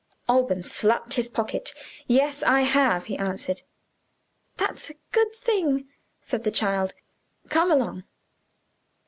Alban slapped his pocket. "Yes, I have," he answered. "That's a good thing," said the child; "come along."